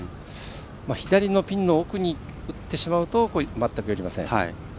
左のピンの奥にいってしまうと全く寄りません。